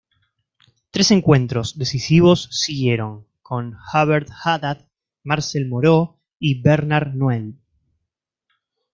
Tres encuentros, decisivos, siguieron: con Hubert Haddad, Marcel Moreau y Bernard Noël.